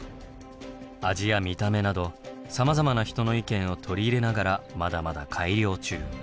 味や見た目などさまざまな人の意見を取り入れながらまだまだ改良中。